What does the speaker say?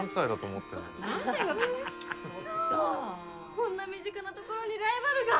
こんな身近なところにライバルが！？